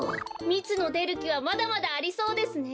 みつのでるきはまだまだありそうですね。